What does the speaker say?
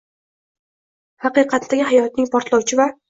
“Haqiqatdagi hayotning” portlovchi va